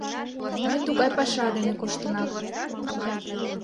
— Ме тугай паша дене коштына...